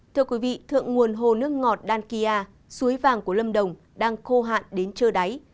thưa quý vị thượng nguồn hồ nước ngọt đan kia suối vàng của lâm đồng đang khô hạn đến trưa đáy